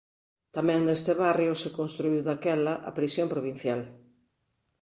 Tamén neste barrio se construíu daquela a Prisión Provincial.